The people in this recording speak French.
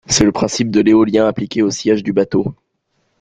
C'est le principe de l'éolien appliqué au sillage du bateau.